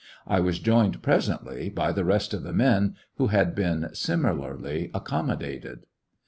I was joined presently by the rest of the men, who had been similarly accommodated.